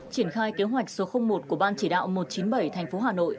triển khai kế hoạch số một của ban chỉ đạo một trăm chín mươi bảy thành phố hà nội